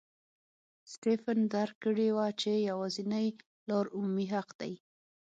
سټېفن درک کړې وه چې یوازینۍ لار عمومي حق دی.